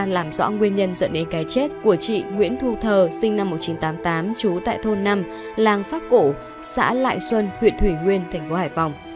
làm rõ nguyên nhân dẫn đến cái chết của chị nguyễn thu thờ sinh năm một nghìn chín trăm tám mươi tám trú tại thôn năm làng pháp cổ xã lại xuân huyện thủy nguyên thành phố hải phòng